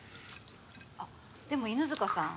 あっでも犬塚さん